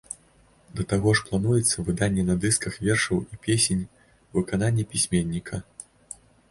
Да таго ж плануецца выданне на дысках вершаў і песень ў выкананні пісьменніка.